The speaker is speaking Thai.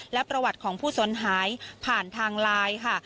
และประวัติของผู้สนหายผ่านทางไลน์ค่ะ